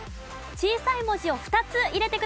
小さい文字を２つ入れてください。